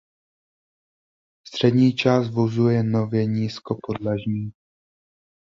Střední část vozu je nově nízkopodlažní.